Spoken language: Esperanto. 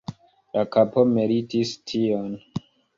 La kapo meritis tion.